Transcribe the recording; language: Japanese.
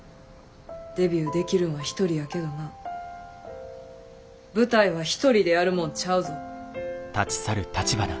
デビューできるんは１人やけどな舞台は１人でやるもんちゃうぞ。